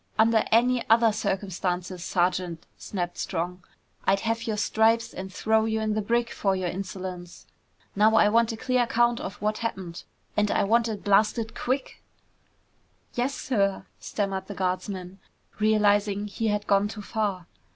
"Under any other circumstances, Sergeant," snapped Strong, "I'd have your stripes and throw you in the brig for your insolence! Now I want a clear account of what happened. And I want it blasted quick!" "Yes, sir!" stammered the guardsman, realizing he had gone too far.